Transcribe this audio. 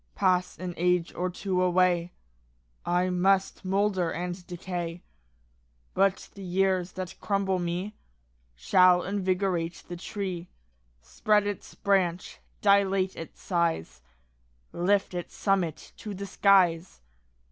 Pass an age or two away, I must moulder and decay, But the years that crumble me Shall invigorate the tree, Spread its branch, dilate its size, Lift its summit to the skies.